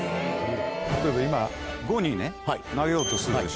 例えば今５にね投げようとするでしょ。